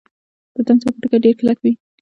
د تمساح پوټکی ډیر کلک وي